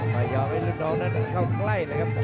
มาให้รุ่นน้องนั้นเข้าใกล้นะครับ